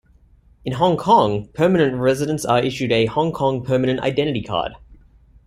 In Hong Kong, permanent residents are issued a Hong Kong Permanent Identity Card.